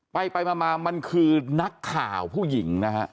ไปมามันคือนักข่าวผู้หญิงนะฮะ